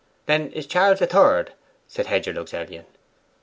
"Then, is Charles the Third?" said Hedger Luxellian.